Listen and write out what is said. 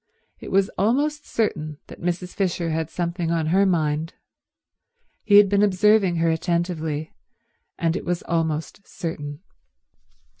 It was almost certain that Mrs. Fisher had something on her mind. He had been observing her attentively, and it was almost certain.